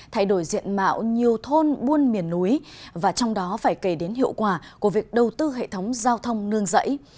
thay đổi diện mạo nhiều thôn buôn miền núi và trong đó phải kể đến hiệu quả của việc đầu tư hệ thống giao thông nương rẫy